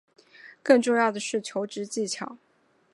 更重要的是求职技巧